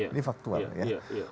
ini faktual ya